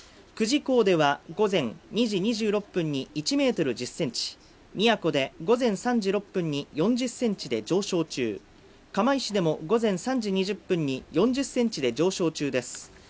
久慈港では、午前２時２６分に１ｍ１０センチ、宮古で午前３時６分に４０センチで上昇中、釜石市でも午前３時２０分に４０センチで上昇中です。